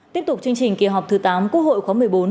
tiếp tục chương trình kỳ họp thứ tám quốc hội khóa một mươi bốn